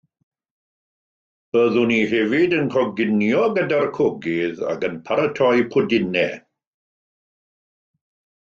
Byddwn i hefyd yn coginio gyda'r cogydd ac yn paratoi pwdinau